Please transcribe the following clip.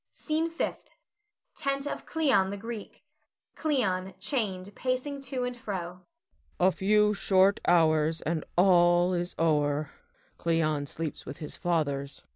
SCENE FIFTH. [Tent of Cleon the Greek. Cleon, chained, pacing to and fro.] Cleon. A few short hours and all is o'er, Cleon sleeps with his fathers.